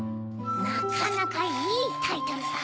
なかなかいいタイトルさ。